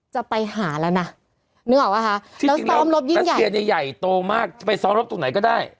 จะไปหาแล้วน่ะนึกออกไหมคะแล้วซ้อมรบยิ่งใหญ่รัสเซียใหญ่ใหญ่โตมากไปซ้อมรบตรงไหนก็ได้